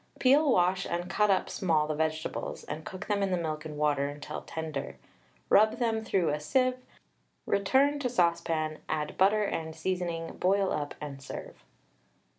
Peel, wash, and cut up small the vegetables, and cook them in the milk and water, until tender. Rub them through a sieve, return to saucepan, add butter and seasoning, boil up and serve.